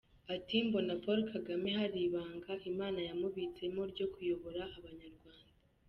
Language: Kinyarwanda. Ati “Mbona Paul Kagame hari ibanga Imana yamubitsemo ryo kuyobora Abanyarwanda.